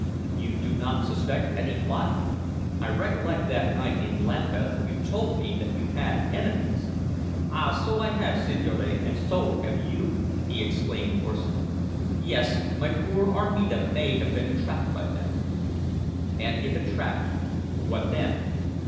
"You do not suspect any plot? I recollect that night in Lambeth you told me that you had enemies?" "Ah! so I have, signore and so have you!" he exclaimed hoarsely. "Yes, my poor Armida may have been entrapped by them." "And if entrapped, what then?"